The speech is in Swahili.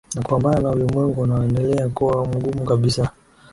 na kupambana na ulimwengu unaoendelea kuwa mgumu kabisa